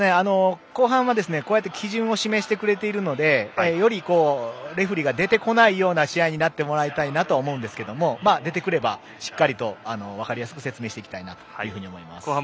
後半はこうやって基準を示してくれているのでよりレフリーが出てこないような試合になってほしいなと思っているんですが出てくればしっかりと分かりやすく説明していきたいと思います。